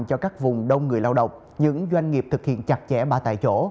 các vùng đông người lao động những doanh nghiệp thực hiện chặt chẽ bà tại chỗ